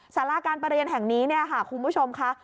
ศาลาการประเรียนแห่งนี้คุณผู้ชมค่ะ